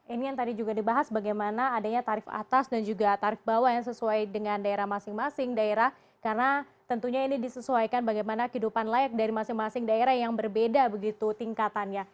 ini yang tadi juga dibahas bagaimana adanya tarif atas dan juga tarif bawah yang sesuai dengan daerah masing masing daerah karena tentunya ini disesuaikan bagaimana kehidupan layak dari masing masing daerah yang berbeda begitu tingkatannya